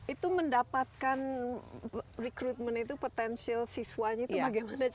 itu mendapatkan recruitment itu potential siswanya itu bagaimana caranya